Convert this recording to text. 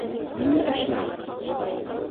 Нимә эшләй?